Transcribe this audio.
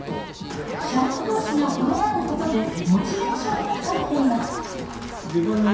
社員同士が褒め合うことでモチベーションを高めています。